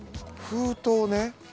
封筒ね。